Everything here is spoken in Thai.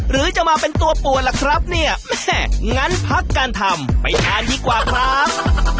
หรือจะมาเป็นตัวปวดล่ะครับเนี่ยแม่งั้นพักการทำไปทานดีกว่าครับ